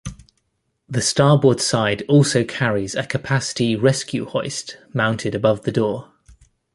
The starboard side also carries a capacity rescue hoist mounted above the door.